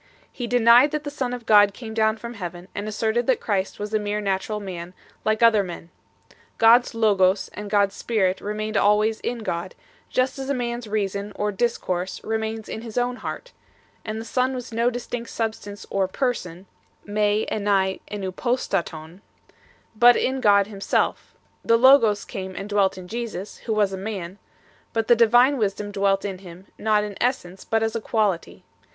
He denied that the Son of God came down from Heaven, and asserted that Christ was a mere natural man like other men 1 . God s Logos and God s Spirit remained always in God, just as a man s Reason or Discourse remains in his own heart ; the Son was no distinct substance or person (/j,rj elvai evvTroo rarov), but in God Himself; the Logos came and dwelt in Jesus, who was a man ; but the divine Wisdom dwelt in Him not in essence, but as a quality.